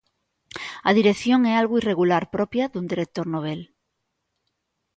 A dirección é algo irregular propia dun director novel.